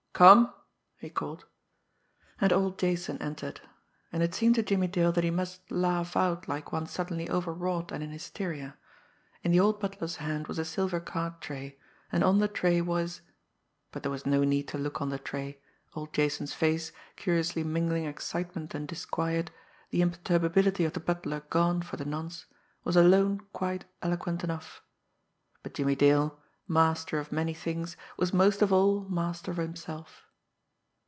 "Come!" he called. And old Jason entered and it seemed to Jimmie Dale that he must laugh out like one suddenly over wrought and in hysteria. In the old butler's hand was a silver card tray, and on the tray was but there was no need to look on the tray, old Jason's face, curiously mingling excitement and disquiet, the imperturbability of the butler gone for the nonce, was alone quite eloquent enough. But Jimmie Dale, master of many things, was most of all master of himself.